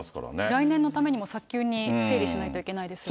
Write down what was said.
来年のためにも早急に整備しないといけないですよね。